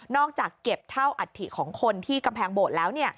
จากเก็บเท่าอัฐิของคนที่กำแพงโบสถ์แล้ว